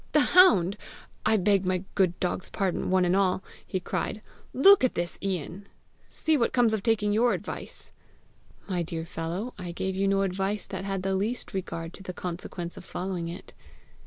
"The hound! I beg my good dogs' pardon, one and all!" he cried. " Look at this, Ian! See what comes of taking your advice!" "My dear fellow, I gave you no advice that had the least regard to the consequence of following it!